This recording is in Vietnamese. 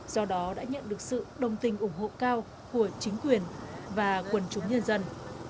do đó đã nhận được sự đồng tình ủng hộ cao của chính quyền và quần chúng nhân dân